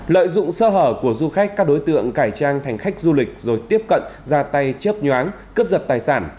lợi dụng sơ hở của du khách các đối tượng cải trang thành khách du lịch rồi tiếp cận ra tay chớp nhoáng cướp giật tài sản